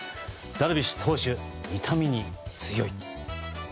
ダルビッシュ投手、痛みに強い。